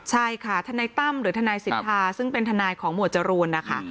ใช่ค่ะทนายตั้มหรือทนายสิทธาซึ่งเป็นทนายของหมวดจรูนนะคะ